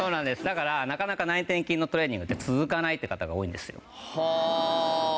だからなかなか内転筋のトレーニングって続かないっていう方が多いんですよ。